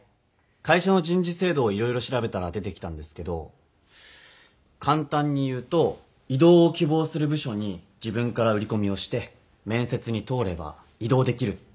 会社の人事制度を色々調べたら出てきたんですけど簡単に言うと異動を希望する部署に自分から売り込みをして面接に通れば異動できるって仕組みみたいで。